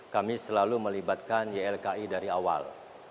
kami selalu melibatkan ylki dari awal